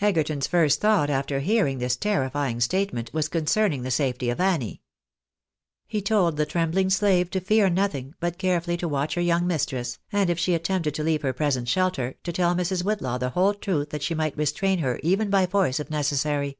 Egerton's first thought, after hearing this terrifying statement, was concerning the safety of Annie. He told the trembhng slave to fear nothing, but carefully to watch her young mistress, and if she attempted to leave her present shelter, to tell Mrs. Whitlaw the whole truth that she might restrain her, even by force, if necessary.